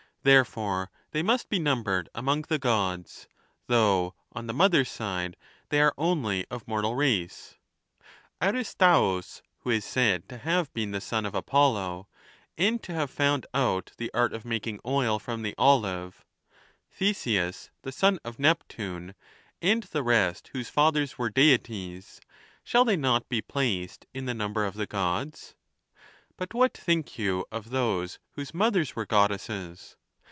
Therefore they must be numbered among the Gods, though on the mother's side they are only of mortal race. Aristaeus, who is said to have been the son of Apollo, and to have found out the art of making oil from the olive; Theseus, the son of Neptune; and the rest whose fathers were Deities, shall they not be placed in the number of the Gods? But what think you of those whose mothers were Goddesses?